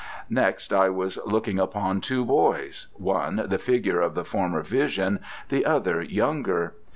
Next, I was looking upon two boys; one the figure of the former vision, the other younger.